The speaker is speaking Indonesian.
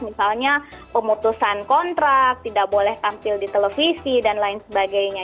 misalnya pemutusan kontrak tidak boleh tampil di televisi dan lain sebagainya